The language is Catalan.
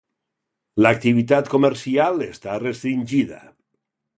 L'activitat comercial està restringida.